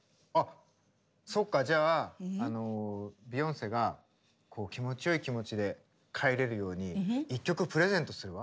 そっかじゃあビヨンセが気持ちよい気持ちで帰れるように１曲プレゼントするわ。